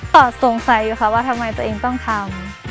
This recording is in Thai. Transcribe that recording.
ก็สงสัยอยู่ค่ะว่าทำไมตัวเองต้องทำ